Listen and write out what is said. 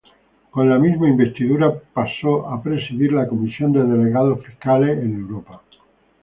Con la misma investidura pasó a presidir la Comisión de Delegados Fiscales en Europa.